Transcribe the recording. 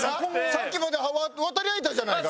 さっきまでわかり合えたじゃないか。